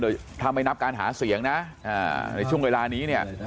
โดยถ้าไม่นับการหาเสียงนะในช่วงเวลานี้เนี่ย